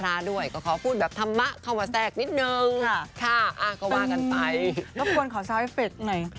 เราก็ไม่รู้ว่าเขาเกิดอะไรเกิดขึ้น